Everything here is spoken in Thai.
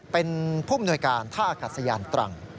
เป็นผู้มนุยการท่ากัศยัลตรัง